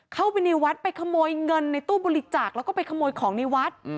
เข้าไปในวัดไปขโมยเงินในตู้บริจาคแล้วก็ไปขโมยของในวัด